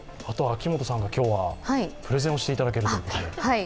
秋元さんも今日はプレゼンをしていただけるということで。